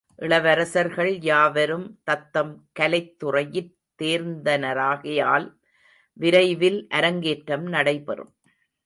இளவரசர்கள் யாவரும் தத்தம் கலைத் துறையிற் தேர்ந்தனராகையால் விரைவில் அரங்கேற்றம் நடைபெறும்.